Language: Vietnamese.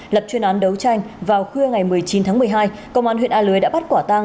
lập chuyên án đấu tranh vào khuya ngày một mươi chín tháng một mươi hai công an huyện a lưới đã bắt quả tang